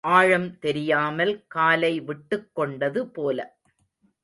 ஆழம் தெரியாமல் காலை விட்டுக் கொண்டது போல.